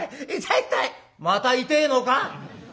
「また痛えのか？」。